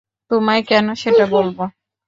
তোমায় কেন সেটা বলবো?